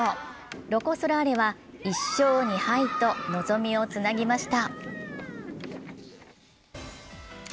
ロコ・ソラーレは１勝２敗と望みをつなぎました。